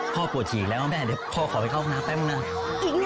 พ่อปวดฉี่อีกแล้วนะแม่เดี๋ยวพ่อขอไปเข้าห้องน้ำแป๊บหนึ่งหน่อย